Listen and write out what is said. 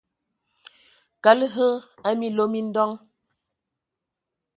Kəlag hm a minlo mi ndoŋ !